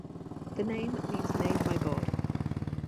The name means made by God.